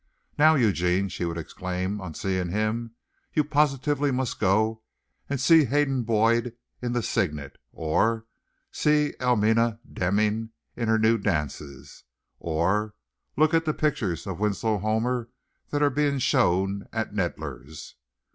"Now, Eugene," she would exclaim on seeing him, "you positively must go and see Haydon Boyd in 'The Signet,'" or "see Elmina Deming in her new dances," or "look at the pictures of Winslow Homer that are being shown at Knoedler's."